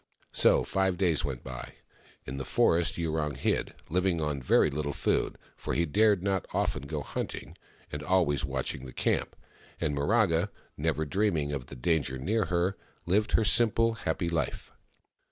So five days went by. In the forest Yurong hid, L /ing on very Httle food — for he dared not often go hunting — and always watching the camp ; and Miraga, never dreaming of the danger near her, lived her simple, happy life.